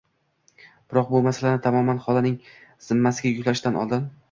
biroq bu masalani tamoman bolaning zimmasiga yuklashdan oldin